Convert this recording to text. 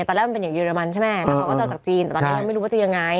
ตอนแรกมันเป็นอย่างเยอรมันใช่ไหมแล้วเขาก็จะเอาจากจีนแต่ตอนนี้ยังไม่รู้ว่าจะยังไง